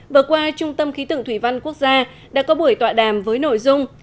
vừa qua trung tâm khí tượng thủy văn quốc gia đã có buổi tọa đàm với nội dung